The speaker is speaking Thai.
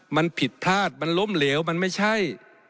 มันผิดพลาดมันล้มเหลวมันไม่ใช่